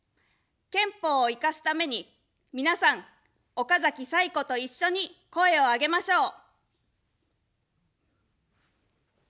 憲法を活かすために、皆さん、おかざき彩子と一緒に声を上げましょう。